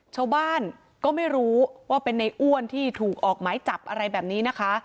ชาวบ้านก็ไม่รู้ว่าเป็นในอ้วนที่ถูกออกหมายจับอะไรแบบนี้นะคะ